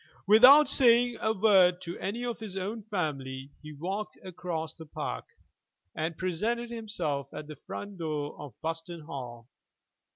Without saying a word to any of his own family he walked across the park, and presented himself at the front door of Buston Hall.